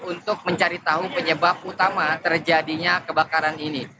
untuk mencari tahu penyebab utama terjadinya kebakaran ini